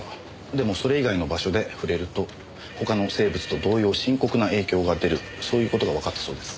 でもそれ以外の場所で触れると他の生物と同様深刻な影響が出るそういう事がわかったそうです。